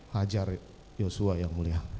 hajar joshua yang mulia